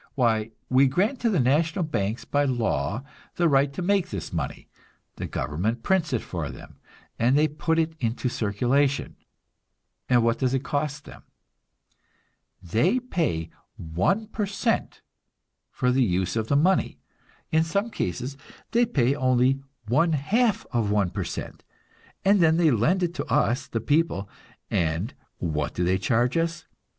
Why, we grant to the national banks by law the right to make this money; the government prints it for them, and they put it into circulation. And what does it cost them? They pay one per cent for the use of the money; in some cases they pay only one half of one per cent; and then they lend it to us, the people and what do they charge us?